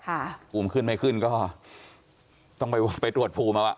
อุณหภูมิขึ้นไม่ขึ้นก็ต้องไปตรวจภูมิแล้วอ่ะ